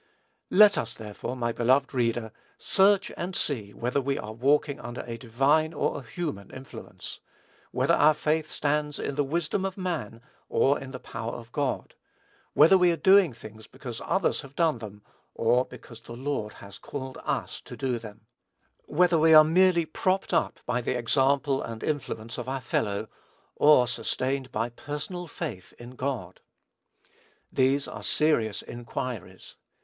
Let us, therefore, my beloved reader, search and see whether we are walking under a divine or a human influence; whether our faith stands in the wisdom of man, or in the power of God; whether we are doing things because others have done them, or because the Lord has called us to do them; whether we are merely propped up by the example and influence of our fellow, or sustained by personal faith in God. These are serious inquiries.